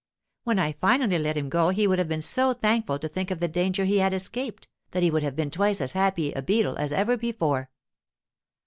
When I finally let him go he would have been so thankful to think of the danger he had escaped, that he would have been twice as happy a beetle as ever before.